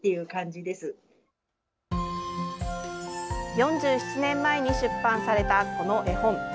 ４７年前に出版されたこの絵本。